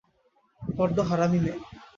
বড্ড হারামি মেয়ে।